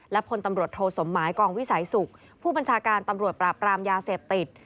และพลตำรวจโทสมหมายกองวิสัยสุขผู้บัญชาการตำรวจปราบรามยาเสพติด